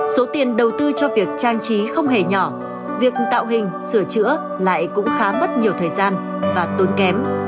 số tiền đầu tư cho việc trang trí không hề nhỏ việc tạo hình sửa chữa lại cũng khá mất nhiều thời gian và tốn kém